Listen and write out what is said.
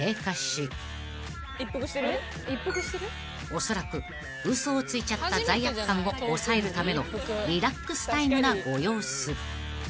［おそらく嘘をついちゃった罪悪感を抑えるためのリラックスタイムなご様子］